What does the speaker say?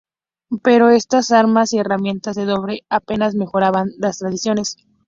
Pero estas armas y herramientas de cobre apenas mejoraban las tradicionales.